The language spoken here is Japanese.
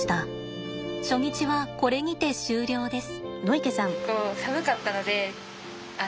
初日はこれにて終了です。